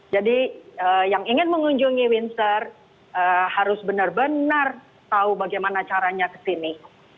jadi yang ingin mengunjungi windsor harus benar benar tahu bagaimana caranya ke sini